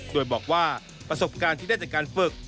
โดยบอกว่าประสบการณ์ที่ได้จากการฝึก